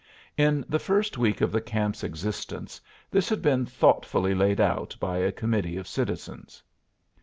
In the first week of the camp's existence this had been thoughtfully laid out by a committee of citizens.